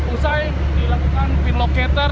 usai dilakukan pin locator